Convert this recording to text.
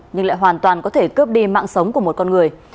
nhưng lại hoàn toàn có thể cướp đi mạng sống của một con người